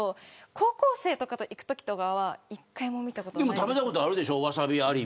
高校生とかと行くときは１回も見たことないです。